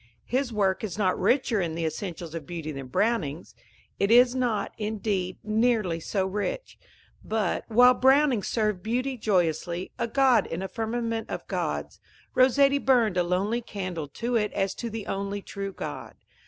His work is not richer in the essentials of beauty than Browning's it is not, indeed, nearly so rich; but, while Browning served beauty joyously, a god in a firmament of gods, Rossetti burned a lonely candle to it as to the only true god.